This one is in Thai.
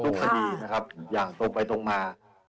คดีนะครับอย่างตรงไปตรงมา